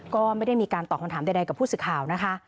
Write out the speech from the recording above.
ก็ไม่ได้มีการตอบคำถามใดกับผู้สื่อข่าวนะคะ